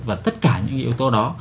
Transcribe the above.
và tất cả những yếu tố đó